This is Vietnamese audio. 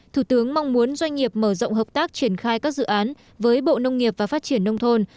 thủ tướng mong muốn doanh nghiệp mở rộng hợp tác triển khai các dự án với bộ nông nghiệp và phát triển nông thôn